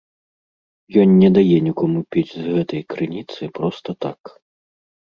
Ён не дае нікому піць з гэтай крыніцы проста так.